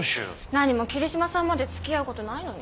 何も桐嶋さんまで付き合うことないのに。